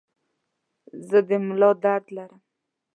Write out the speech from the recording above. زه د ملا درد لرم.